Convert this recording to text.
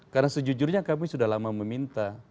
karena sejujurnya kami sudah lama meminta